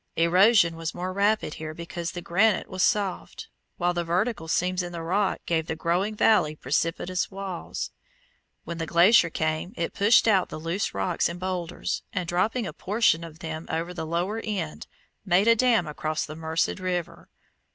Erosion was more rapid here because the granite was soft, while the vertical seams in the rock gave the growing valley precipitous walls. When the glacier came it pushed out the loose rocks and boulders, and dropping a portion of them at the lower end, made a dam across the Merced River.